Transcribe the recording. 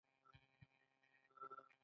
دوی د منځنۍ آسیا بازارونه نیولي دي.